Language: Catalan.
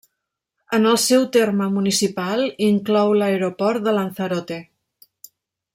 En el seu terme municipal inclou l'aeroport de Lanzarote.